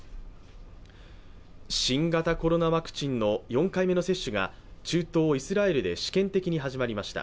新型コロナワクチンの４回目の接種が中東イスラエルで試験的に始まりました。